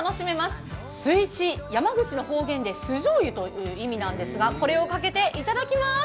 すいち、山口の方言で酢じょう油という意味なんですがこれをかけていただきます。